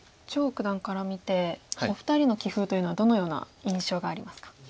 張九段から見てお二人の棋風というのはどのような印象がありますか？